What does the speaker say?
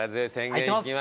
入ってます！